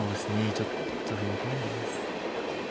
ちょっと踏み込めないんです。